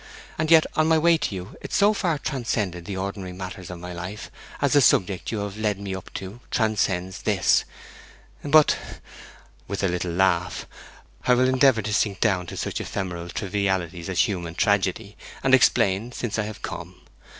and yet on my way to you it so far transcended the ordinary matters of my life as the subject you have led me up to transcends this. But,' with a little laugh, 'I will endeavour to sink down to such ephemeral trivialities as human tragedy, and explain, since I have come.